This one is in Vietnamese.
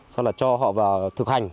sau đó cho họ vào thực hành